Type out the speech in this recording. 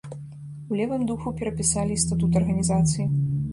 У левым духу перапісалі і статут арганізацыі.